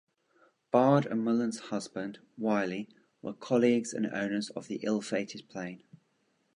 Bard and Mullen's husband, Wylie, were colleagues and owners of the ill-fated plane.